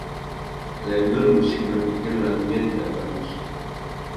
Label musik berpikir lagunya tidak bagus.